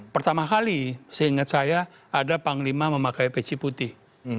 pertama kali seingat saya ada panglima memakai peci putih